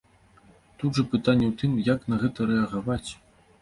Тут жа пытанне ў тым, як на гэта рэагаваць.